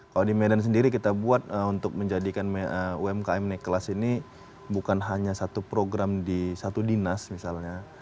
kalau di medan sendiri kita buat untuk menjadikan umkm naik kelas ini bukan hanya satu program di satu dinas misalnya